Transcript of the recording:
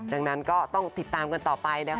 ดังนั้นก็ต้องติดตามกันต่อไปนะคะ